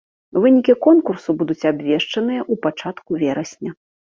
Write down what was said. Вынікі конкурсу будуць абвешчаныя ў пачатку верасня.